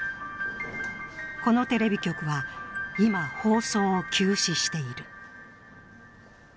このテレビ局は今、放送を休止している。